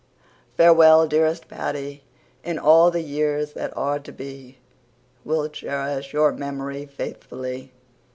"Farewell, dearest Paddy, in all the years that are to be We'll cherish your memory faithfully."